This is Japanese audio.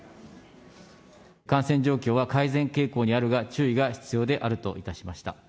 感染状況は改善傾向にあるが、注意が必要であるといたしました。